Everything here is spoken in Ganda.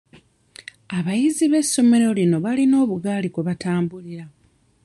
Abayizi b'essomero lino balina obugaali kwe batambulira.